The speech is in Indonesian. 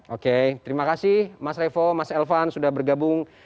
oke terima kasih mas revo mas elvan sudah bergabung